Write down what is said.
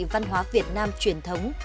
văn hóa việt nam truyền thống